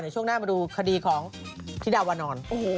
เดี๋ยวช่วงหน้ามาดูคดีของถิดาวันนอน